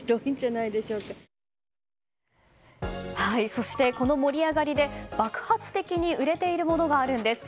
そして、この盛り上がりで爆発的に売れているものがあるんです。